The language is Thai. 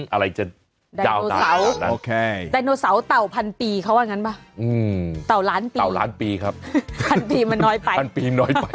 โอ้โหไดโนเสาไดโนเสาเต่าพันปีเขาว่างั้นป่ะเต่าล้านปีพันปีมันน้อยไป